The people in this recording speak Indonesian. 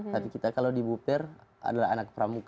hati kita kalau di buper adalah anak pramuka